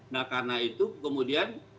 nah karena itu kemudian